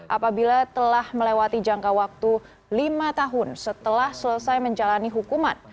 apabila telah melewati jangka waktu lima tahun setelah selesai menjalani hukuman